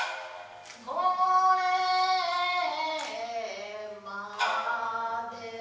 これまで。